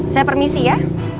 saya permisi ya